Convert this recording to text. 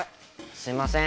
すいません。